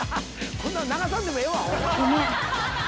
こんなん流さんでもええわ！